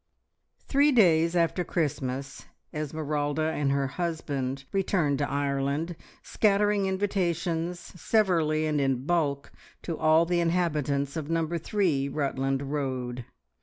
Three days after Christmas, Esmeralda and her husband returned to Ireland, scattering invitations, severally and in bulk, to all the inhabitants of Number Three, Rutland Road.